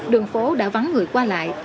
đường phố đã vắng người qua lại